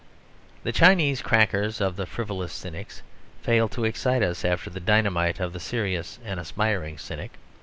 The Chinese crackers of the frivolous cynics fail to excite us after the dynamite of the serious and aspiring cynic.